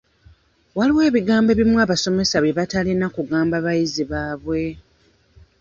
Waliwo ebigambo ebimu abasomesa bye batalina kugamba bayizi baabwe.